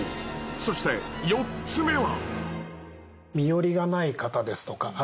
そして４つ目は？